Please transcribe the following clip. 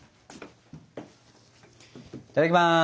いただきます！